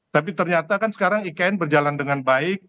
tapi ternyata kan sekarang ikn berjalan dengan baik